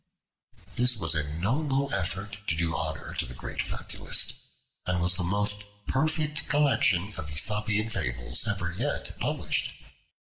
This was a noble effort to do honor to the great fabulist, and was the most perfect collection of Aesopian fables ever yet published.